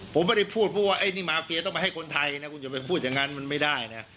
ผมไม่ได้พูดเพราะว่าไอ้นี่มาเฟียต้องมาให้คนไทยนะคุณจะไปพูดอย่างนั้นมันไม่ได้นะ